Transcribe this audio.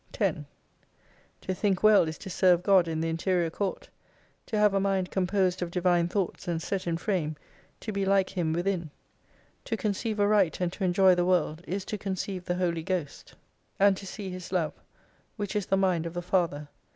10 To think well is to serve God in the interior court : To have a mind composed of Divine Thoughts, and set in frame, to be like Him within. To conceive aright and to enjoy the world, is to conceive the Holy Ghost, 7 and to see His Love : whick is the Mind of the Father.